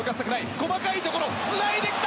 細かいところ、つないできた！